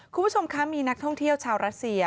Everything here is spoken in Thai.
คุณผู้ชมคะมีนักท่องเที่ยวชาวรัสเซีย